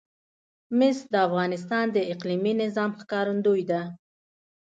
مس د افغانستان د اقلیمي نظام ښکارندوی ده.